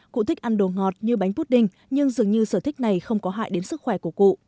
cụ thích ăn đồ ngọt như bánh bút đinh nhưng dường như sở thích này không có hại đến sức khỏe của cụ